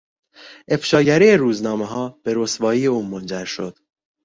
افشاگری روزنامهها به رسوایی او منجر شد.